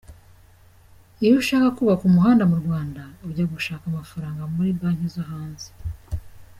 Iyo ushaka kubaka umuhanda mu Rwanda, ujya gushaka amafaranga muri banki zo hanze.